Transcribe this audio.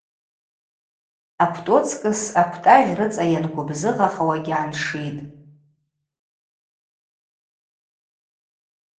Аквтӏу ацкӏыс аквтӏагъь рыцӏа йангвыбзыгъахауагьи гӏаншитӏ.